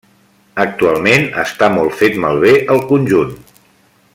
Actualment està molt fet malbé el conjunt.